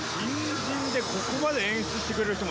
新人でここまで演出してくれる人